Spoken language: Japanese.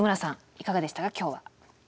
いかがでしたか今日は。